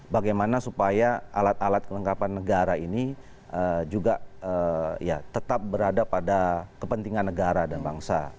bagaimana supaya alat alat kelengkapan negara ini juga tetap berada pada kepentingan negara dan bangsa